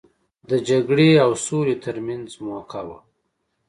د جګړې او سولې ترمنځ موکه وه.